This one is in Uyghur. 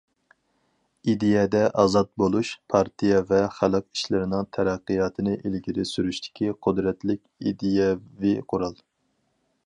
ئىدىيەدە ئازاد بولۇش پارتىيە ۋە خەلق ئىشلىرىنىڭ تەرەققىياتىنى ئىلگىرى سۈرۈشتىكى قۇدرەتلىك ئىدىيەۋى قورال.